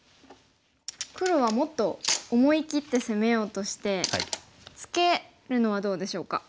黒はもっと思い切って攻めようとしてツケるのはどうでしょうか？